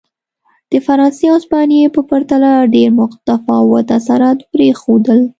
د فرانسې او هسپانیې په پرتله ډېر متفاوت اثرات پرېښودل.